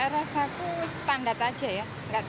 rasaku standar aja ya